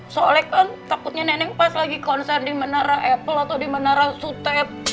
soalnya kan takutnya neneng pas lagi konser di menara apple atau di menara sutep